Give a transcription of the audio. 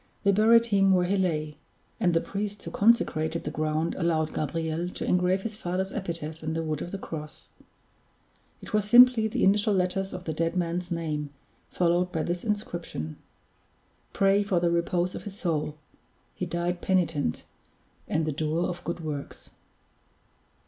They buried him where he lay; and the priest who consecrated the ground allowed Gabriel to engrave his father's epitaph in the wood of the cross. It was simply the initial letters of the dead man's name, followed by this inscription: "Pray for the repose of his soul: he died penitent, and the doer of good works."